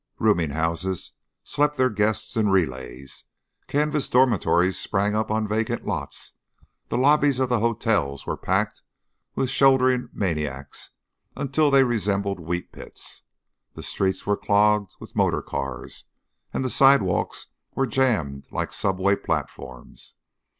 Rooming houses slept their guests in relays, canvas dormitories sprang up on vacant lots, the lobbies of the hotels were packed with shouldering maniacs until they resembled wheat pits, the streets were clogged with motor cars, and the sidewalks were jammed like subway platforms.